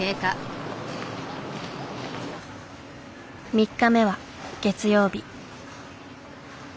３日目は月曜日。